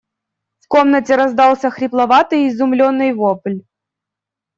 В комнате раздался хрипловатый изумленный вопль.